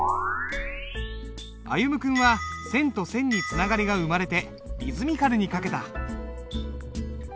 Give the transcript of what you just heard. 歩夢君は線と線につながりが生まれてリズミカルに書けた。